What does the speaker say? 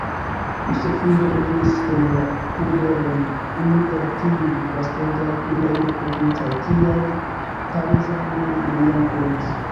Josefino eniris en la kuirejon, unu el tiuj vastegaj kuirejoj provincaj, kiajn Parizanoj neniam konis.